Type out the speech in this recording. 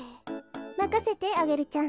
まかせてアゲルちゃん。